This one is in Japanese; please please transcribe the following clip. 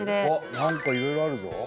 何かいろいろあるぞ。